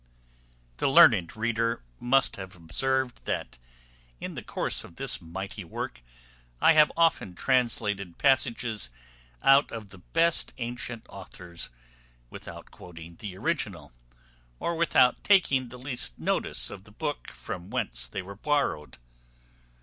The learned reader must have observed that in the course of this mighty work, I have often translated passages out of the best antient authors, without quoting the original, or without taking the least notice of the book from whence they were borrowed.